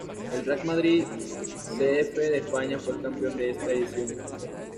El Real Madrid C. F. de España fue el campeón de esta edición.